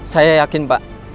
saya yakin pak